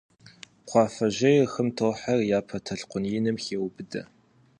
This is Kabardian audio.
Кхъуафэжьейр хым тохьэри, япэ толъкъун иным хеубыдэ.